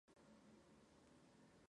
Sus trabajos son altamente calificados.